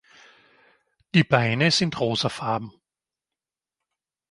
Die Beine sind rosafarben.